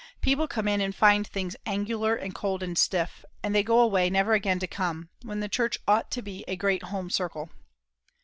People come in and find things angular and cold and stiff, and they go away never again to come; when the church ought to be a great home circle.